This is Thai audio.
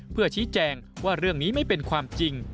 เพื่อชี้แจงว่าเรื่องนี้ไม่เป็นความจริง